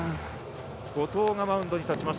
後藤がマウンドに立ちます。